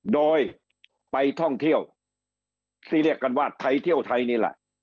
โดยไปท่องเที่ยวที่เรียกกันว่าไทยเที่ยวไทยนี่แหละ